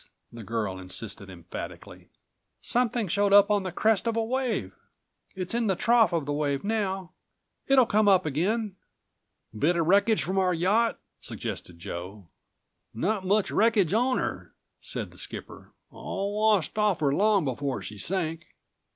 the girl insisted emphatically. "Something showed up on the crest of a wave. It's in the trough of the wave now. It'll come up again." "Bit of wreckage from our yacht," suggested Joe. "Not much wreckage on 'er," said the218 skipper. "All washed off 'er long before she sank."